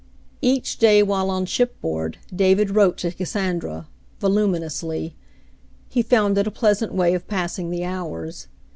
Each day while on shipboard, David wrote to Cas sandra, voluminously. He found it a pleasant way of passing the hours.